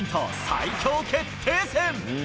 最強決定戦。